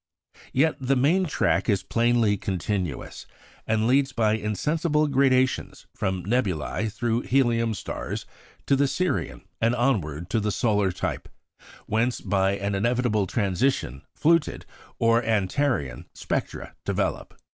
Yet the main track is plainly continuous, and leads by insensible gradations from nebulæ through helium stars to the Sirian, and onward to the solar type, whence, by an inevitable transition, fluted, or "Antarian," spectra develop.